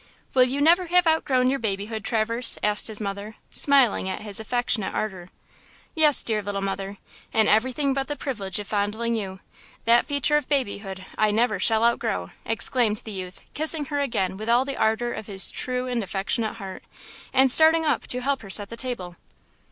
"Will you never have outgrown your babyhood, Traverse?" asked his mother, smiling at his affectionate ardor. "Yes, dear little mother; in everything but the privilege of fondling you; that feature of babyhood I never shall outgrow," exclaimed the youth, kissing her again with all the ardor of his true and affectionate heart, and starting up to help her set the table.